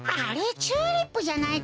チューリップじゃないか。